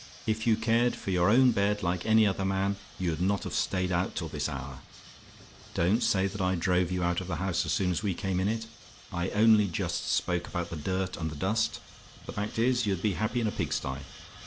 If you cared for your own bed like any other man, you'd not have stayed out till this hour. Don't say that I drove you out of the house as soon as we came in it. I only just spoke about the dirt and the dust, but the fact is, you'd be happy in a pig sty!